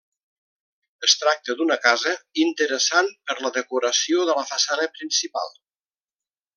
Es tracta d'una casa interessant per la decoració de la façana principal.